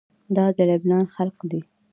دا د لبنان خلق دي.